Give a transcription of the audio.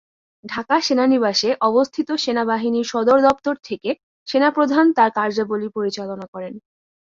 ঢাকা সেনানিবাসে অবস্থিত সেনাবাহিনীর সদরদপ্তর থেকে সেনাপ্রধান তার কার্যাবলী পরিচালনা করেন।